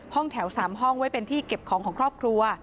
ห้องแถว๓ห้องไว้เป็นที่เก็บของของครอบครัว